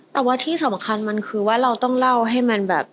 แต่ว่าที่สำคัญมันคือว่าเราต้องเล่าให้มันแบบ